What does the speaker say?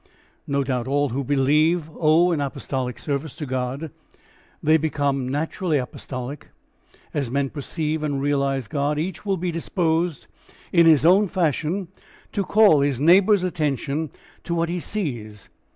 No doubt all who believe owe an apostolic service to God. They become naturally apostolic. As men perceive and realise God, each will be disposed in his own fashion to call his neighbour's attention to what he sees.